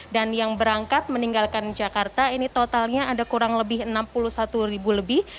dan yang berangkat meninggalkan jakarta ini totalnya ada kurang lebih enam puluh satu lebih